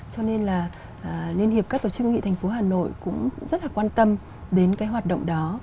cho nên là liên hiệp các tổ chức hữu nghị thành phố hà nội cũng rất là quan tâm đến cái hoạt động đó